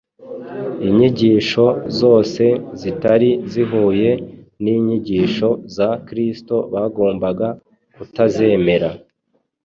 Inyigisho zose zitari zihuye n’inyigisho za Kristo bagombaga kutazemera.